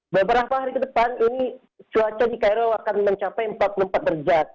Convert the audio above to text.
beberapa hari ke depan ini cuaca di cairo akan mencapai empat puluh empat derajat